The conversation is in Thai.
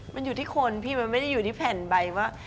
มันอยู่ที่คนพี่มันไม่ได้อยู่ที่แผ่นใบว่า